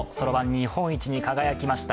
日本一に輝きました